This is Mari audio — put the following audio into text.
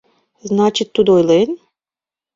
— Значит, тудо ойлен?